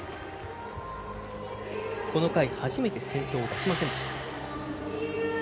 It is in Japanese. この回初めて先頭を出しませんでした。